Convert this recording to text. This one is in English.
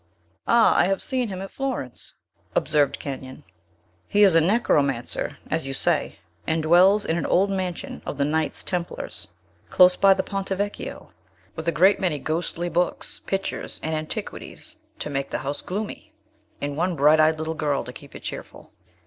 "Ah, I have seen him at Florence," observed Kenyon. "He is a necromancer, as you say, and dwells in an old mansion of the Knights Templars, close by the Ponte Vecchio, with a great many ghostly books, pictures, and antiquities, to make the house gloomy, and one bright eyed little girl, to keep it cheerful!"